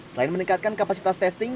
selain meningkatkan kapasitas testing